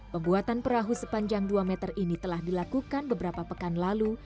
pembuatan perahu sepanjang dua meter ini telah dilakukan beberapa pekan lalu